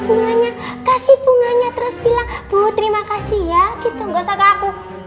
bunganya kasih bunganya terus bilang bu terima kasih ya gitu nggak usah kaku